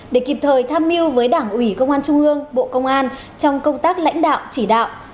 để kịp thời tham mưu với đảng ủy công an trung ương bộ công an trong công tác lãnh đạo chỉ đạo